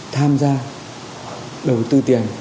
tham gia đầu tư tiền